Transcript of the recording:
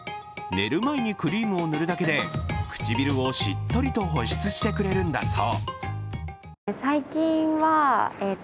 寝る前にクリームを塗るだけで、唇をしっとりと保湿してくれるんだそう。